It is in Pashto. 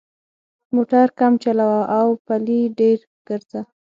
موټر کم چلوه او پلي ډېر ګرځه.